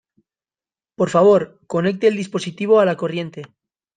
Por favor, conecte el dispositivo a la corriente.